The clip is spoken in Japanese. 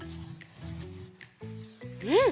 うん。